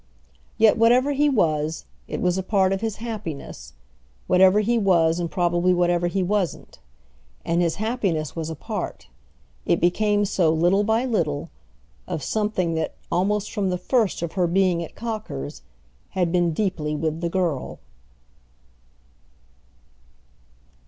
Yes, whatever he was, it was a part of his happiness—whatever he was and probably whatever he wasn't. And his happiness was a part—it became so little by little—of something that, almost from the first of her being at Cocker's, had been deeply with the girl.